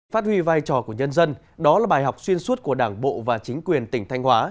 phát huy vai trò của nhân dân đó là bài học xuyên suốt của đảng bộ và chính quyền tỉnh thanh hóa